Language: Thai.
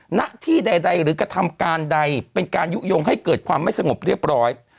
หน้าที่ใดหรือกระทำการใดเป็นการยุโยงให้เกิดความไม่สงบเรียบร้อย